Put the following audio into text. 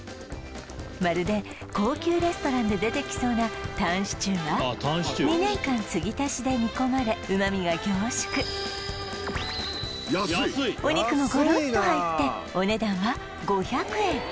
まるで高級レストランで出てきそうなタンシチューは２年間継ぎ足しで煮込まれ旨みが凝縮お肉もゴロッと入ってお値段は５００円